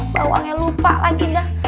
bawangnya lupa lagi dah